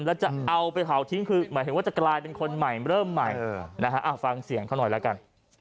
แล้วจะเอาไปเผาทิ้งคือหมายถึงว่าจะกลายเป็นคนใหม่เริ่มใหม่นะฮะฟังเสียงเขาหน่อยแล้วกัน